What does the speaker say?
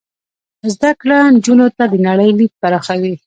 زده کړه نجونو ته د نړۍ لید پراخوي.